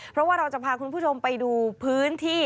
เพราะว่าเราจะพาคุณผู้ชมไปดูพื้นที่